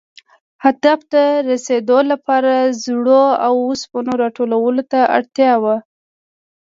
هدف ته رسېدو لپاره زړو اوسپنو را ټولولو ته اړتیا وه.